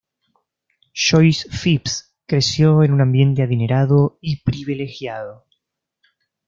Joyce Phipps creció en un ambiente adinerado y privilegiado.